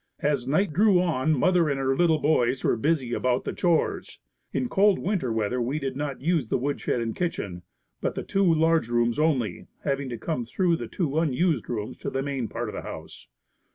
As night drew on mother and her little boys were busy about the chores. In cold winter weather we did not use the woodshed and kitchen, but the two large rooms only, having to come through the two unused rooms to the main part of the house.